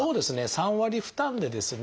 ３割負担でですね